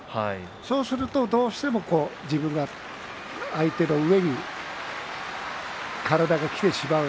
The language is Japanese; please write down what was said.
そうするとどうしても自分が相手の上に体がきてしまいます。